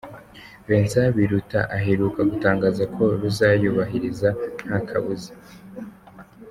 Vincent Biruta aheruka gutangaza ko ruzayubahiriza nta kabuza.